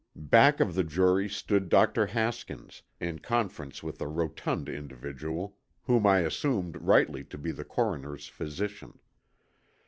Back of the jury stood Dr. Haskins, in conference with a rotund individual whom I assumed rightly to be the coroner's physician.